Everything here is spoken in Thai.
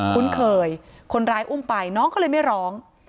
คุ้นเคยคนร้ายอุ้มไปน้องก็เลยไม่ร้อง